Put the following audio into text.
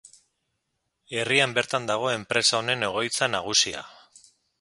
Herrian bertan dago enpresa honen egoitza nagusia.